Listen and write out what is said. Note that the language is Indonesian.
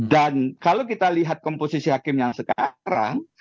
dan kalau kita lihat komposisi hakim yang sekarang